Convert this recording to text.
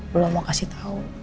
belum mau kasih tau